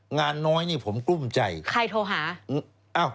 งานน้อยนี่ผมกลุ้มใจใครโทรหา